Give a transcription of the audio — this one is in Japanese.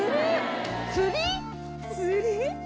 釣り⁉